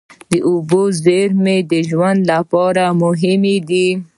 د اوبو زیرمې د ژوند لپاره مهمې دي.